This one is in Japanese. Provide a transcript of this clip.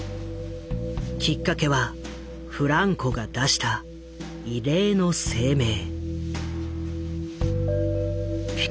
きっかけはフランコが出した異例の声明。